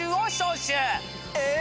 え！